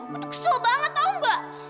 aku tuh kesel banget tau mbak